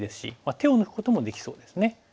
手を抜くこともできそうですね。